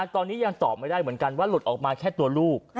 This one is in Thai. ตอนนี้ยังตอบไม่ได้เหมือนกันว่าหลุดออกมาแค่ตัวลูก